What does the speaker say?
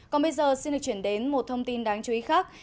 còn bây giờ xin được chuyển đến một thông tin đáng chú ý khác